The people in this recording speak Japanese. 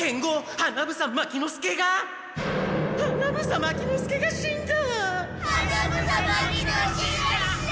花房牧之介が死んだ！